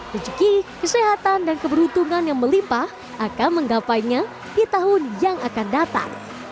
rezeki kesehatan dan keberuntungan yang melimpah akan menggapainya di tahun yang akan datang